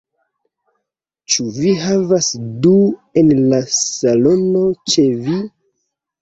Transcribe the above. Ĉu vi havas du en la salono ĉe vi?